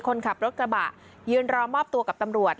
คนขับรถกระบะยืนรอมอบตัวกับตำรวจ